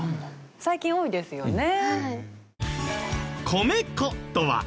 最近多いですよね。